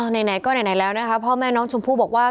อ่าไหนไหนก็ไหนไหนแล้วนะครับพ่อแม่น้องจุ่มพู่บอกว่า